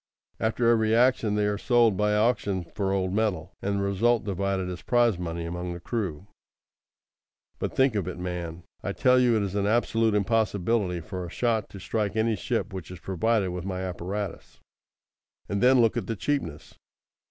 After every action they are sold by auction for old metal, and the result divided as prize money among the crew. But think of it, man! I tell you it is an absolute impossibility for a shot to strike any ship which is provided with my apparatus. And then look at the cheapness.